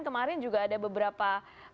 kemarin juga ada beberapa